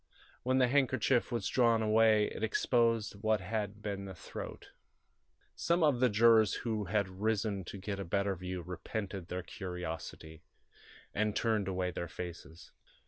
When the handkerchief was drawn away it exposed what had been the throat. Some of the jurors who had risen to get a better view repented their curiosity, and turned away their faces.